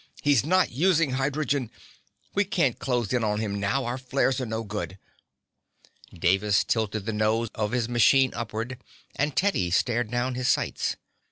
"He's not using hydrogen. We can't close in on him now. Our flares are no good." Davis tilted the nose of his machine upward, and Teddy stared down his sights.